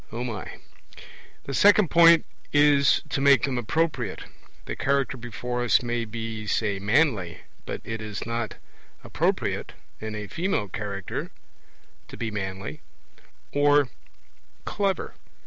The second point is to make them appropriate. The Character before us may be, say, manly; but it is not appropriate in a female Character to be manly, or clever.